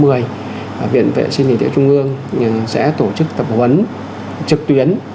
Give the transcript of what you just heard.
viện vệ sinh địa chung gương sẽ tổ chức tập huấn trực tuyến